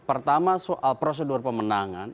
pertama soal prosedur pemenangan